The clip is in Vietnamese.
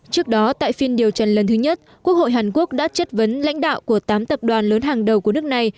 trước đó tại phiên điều trần lần thứ nhất quốc hội hàn quốc đã chất vấn lãnh đạo của tám tập đoàn lớn hàng đầu của nước này